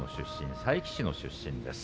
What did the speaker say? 佐伯市の出身です